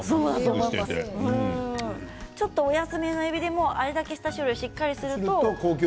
ちょっとお安めのえびでも、あれだけしっかり下処理をすると。